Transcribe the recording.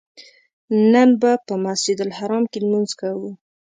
نن به په مسجدالحرام کې لمونځ کوو.